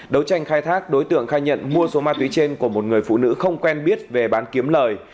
đấu tranh khai thác đối tượng khai nhận mua số ma túy trên của một người phụ nữ không quen biết về bán kiếm lời